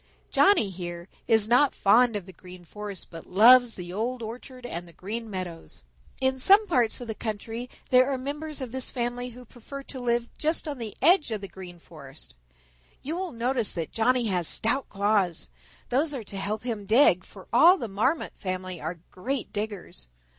"Johnny, here, is not fond of the Green Forest, but loves the Old orchard and the Green Meadows. In some parts of the country there are members of his family who prefer to live just on the edge of the Green Forest. You will notice that Johnny has stout claws. Those are to help him dig, for all the Marmot family are great diggers.